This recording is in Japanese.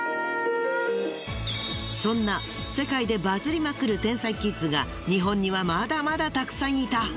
そんな世界でバズりまくる天才キッズが日本にはまだまだたくさんいた！